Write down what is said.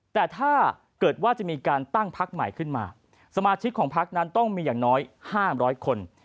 แต่ถ้าเกิดว่าจะมีการตั้งพักใหม่ขึ้นมาสมาชิกของพักนั้นต้องมีอย่างน้อย๕๐๐คน